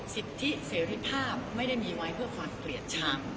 สิทธิเสรีภาพไม่ได้มีไว้เพื่อความเกลียดชัง